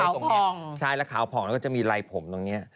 ขาวพองใช่แล้วขาวพองแล้วก็จะมีไร่ผมตรงเนี่ย